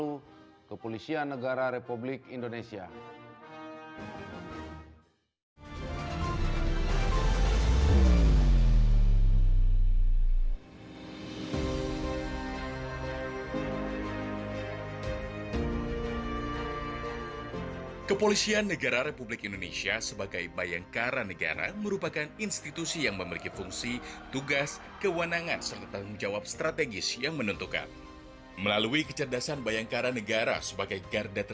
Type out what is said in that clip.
untuk terus profesional serta cepat